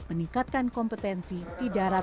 meningkatkan kompetensi di darat melalui praksis